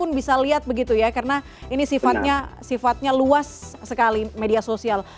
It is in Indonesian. saya pun bisa lihat begitu ya karena ini sifatnya luas sekali media sosial